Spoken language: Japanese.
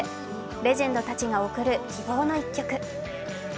レジェンドたちが贈る希望の一曲。